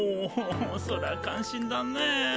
それは感心だね。